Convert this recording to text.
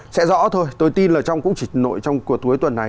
sẽ rõ thôi tôi tin là trong cuộc tuổi tuần này